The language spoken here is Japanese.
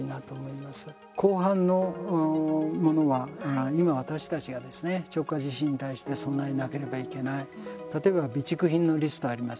後半のものは今、私たちがですね直下地震に対して備えなければいけない、例えば備蓄品のリストありますよね